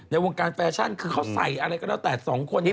ในวงการแฟชั่นคือเขาใส่อะไรก็แล้วแต่สองคนนี้